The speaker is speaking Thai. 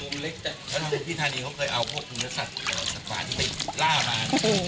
แล้วทางคุณพี่ธานีเขาเคยเอาพวกนักศัตริย์สัตว์ฝาที่ไปล่ามา